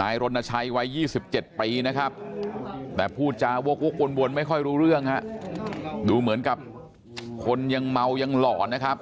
นายรณชัยวัย๒๗ปีนะครับแต่พูดจาวกวนไม่ค่อยรู้เรื่องฮะดูเหมือนกับคนยังเมายังหลอนนะครับ